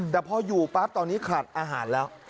แต่พออยู่ปั๊บตอนนี้ขาดอาหารแล้ว